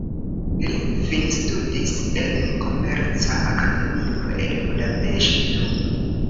Li finstudis en komerca akademio, en Budapeŝto.